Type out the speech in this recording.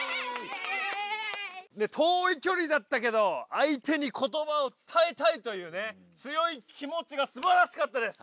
遠いきょりだったけどあいてにことばをつたえたいというね強い気もちがすばらしかったです。